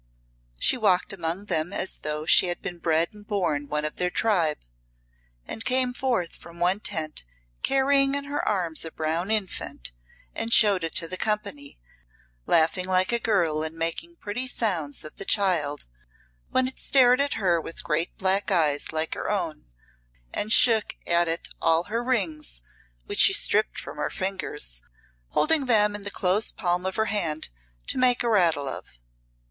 She walked among them as though she had been bred and born one of their tribe, and came forth from one tent carrying in her arms a brown infant, and showed it to the company, laughing like a girl and making pretty sounds at the child when it stared at her with great black eyes like her own, and shook at it all her rings, which she stripped from her fingers, holding them in the closed palm of her hand to make a rattle of.